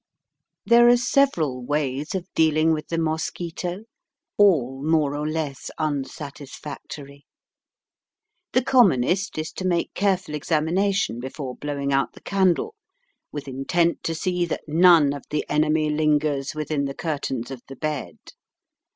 There are several ways of dealing with the mosquito, all more or less unsatisfactory. The commonest is to make careful examination before blowing out the candle, with intent to see that none of the enemy lingers within the curtains of the bed.